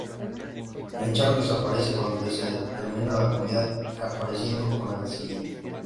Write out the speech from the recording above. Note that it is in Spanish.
La hinchazón desaparece cuando se termina la comida, reapareciendo en la siguiente.